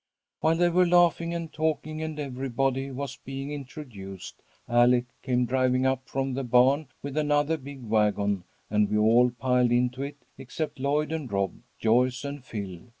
"While they were laughing and talking and everybody was being introduced, Alec came driving up from the barn with another big wagon, and we all piled into it except Lloyd and Rob, Joyce and Phil.